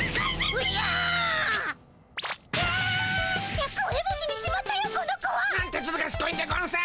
シャクをエボシにしまったよこの子は。なんてずるがしこいんでゴンス！